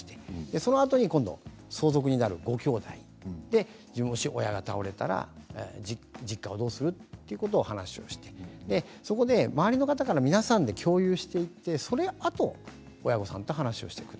そのあとに相続人であるごきょうだいもし親が倒れたら実家をどうする？ということを話をしてそこで周りの方から皆さんで共有していってそのあと親御さんと話をしていく。